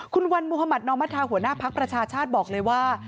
คุณวันมุธมัธนอมธาหัวหน้าภักดิ์ประชาชาติบอกเลยว่า